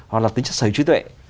hoặc là tính chất sở hữu trí tuệ